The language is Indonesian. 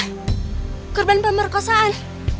hah korban pemerkosaan